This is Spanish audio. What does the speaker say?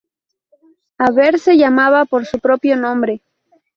Haber se llamaba por su propio nombre.